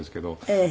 ええ。